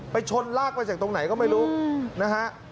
ชนลากมาจากตรงไหนก็ไม่รู้นะฮะ